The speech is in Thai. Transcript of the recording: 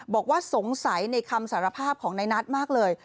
บอกว่าสงสัยในคำสารภาพของนายนัทมากเลย